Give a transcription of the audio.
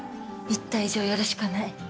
言った以上やるしかない。